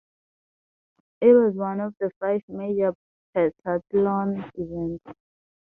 It was one of the five major Pentathlon events.